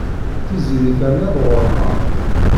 Tiziri terna-d ɣur-neɣ.